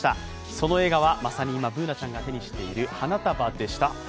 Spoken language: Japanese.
その映画はまさに今Ｂｏｏｎａちゃんが手にしている花束でした。